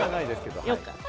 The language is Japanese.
よかった。